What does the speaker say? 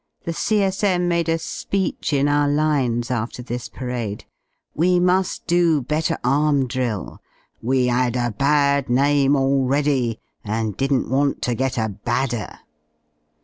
The C.S.M. made a speech in our lines after this parade: IVe muSl do better arm drill; we *ad a bad name already, and didn't want to get a badder.